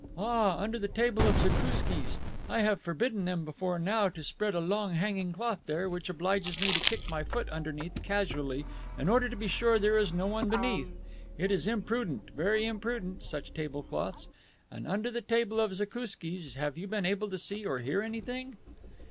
"Ah, under the table of zakouskis! I have forbidden them before now to spread a long hanging cloth there, which obliges me to kick my foot underneath casually in order to be sure there is no one beneath. It is imprudent, very imprudent, such table cloths. And under the table of zakouskis have you been able to see or hear anything?"